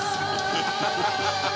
「ハハハハッ！」